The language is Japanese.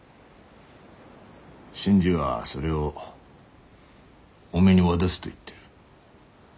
新次はそれをおめえに渡すと言ってる。